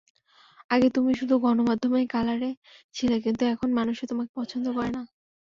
আগে তুমি শুধু গনমাধ্যমে কালারে ছিলে, কিন্তু এখন মানুষও তোমাকে পছন্দ করে না।